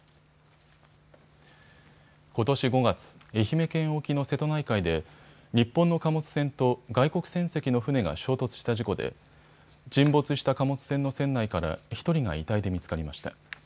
ことし５月、愛媛県沖の瀬戸内海で日本の貨物船と外国船籍の船が衝突した事故で沈没した貨物船の船内から１人が遺体で見つかりました。